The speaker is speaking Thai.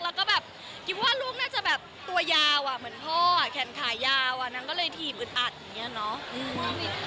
แล้วก็แบบคิดว่าลูกน่าจะแบบตัวยาวเหมือนพ่อแขนขายาวนางก็เลยถีบอึดอัดอย่างนี้เนาะ